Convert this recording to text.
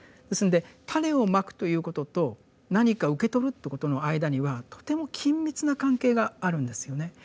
ですので種を蒔くということと何か受け取るということの間にはとても緊密な関係があるんですよね。